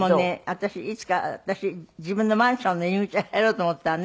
私いつか自分のマンションの入り口入ろうと思ったらね